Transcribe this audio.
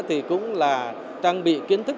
thì cũng là trang bị kiến thức